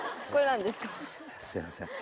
すいません。